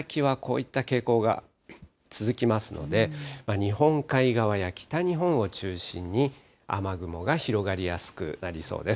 この先はこういった傾向が続きますので、日本海側や北日本を中心に、雨雲が広がりやすくなりそうです。